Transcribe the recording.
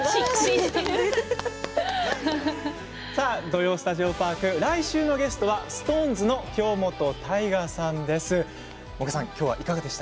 「土曜スタジオパーク」来週のゲストはＳｉｘＴＯＮＥＳの京本大我さんです。